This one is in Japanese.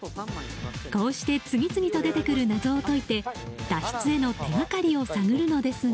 こうして次々と出てくる謎を解いて脱出への手掛かりを探るのですが